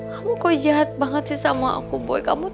kamu kok jahat banget sih sama aku boy kamu